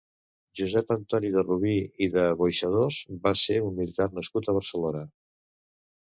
Josep Antoni de Rubí i de Boixadors va ser un militar nascut a Barcelona.